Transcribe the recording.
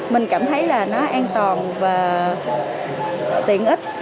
mình cảm thấy là nó an toàn và tiện ích